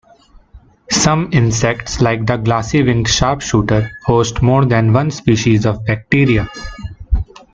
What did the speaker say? Some insects, like the glassy-winged sharpshooter, host more than one species of bacteria.